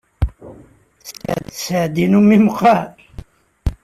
Sseɛd-inu mmi meqqer.